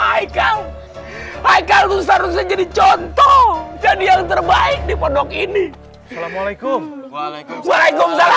hai kamu seharusnya jadi contoh jadi yang terbaik di pondok ini assalamualaikum waalaikumsalam